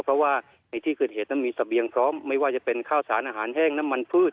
เพราะว่าในที่เกิดเหตุนั้นมีเสบียงพร้อมไม่ว่าจะเป็นข้าวสารอาหารแห้งน้ำมันพืช